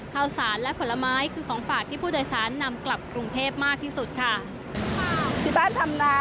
ข้าวสารและผลไม้คือของฝากที่ผู้โดยสารนำกลับกรุงเทพมากที่สุดค่ะ